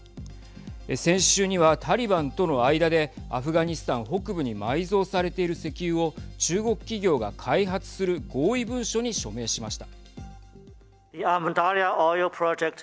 先週にはタリバンとの間でアフガニスタン北部に埋蔵されている石油を中国企業が開発する合意文書に署名しました。